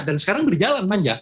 dan sekarang berjalan panja